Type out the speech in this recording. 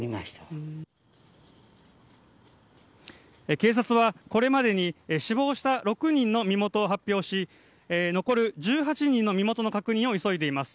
警察はこれまでに死亡した６人の身元を発表し、残る１８人の身元の確認を急いでいます。